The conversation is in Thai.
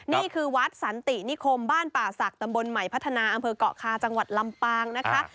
นี่คือวัดสันตินิคมบ้านป่าศักดิ์ตำบลใหม่พัฒนาอำเภอกเกาะคาจังหวัดลำปางนะคะ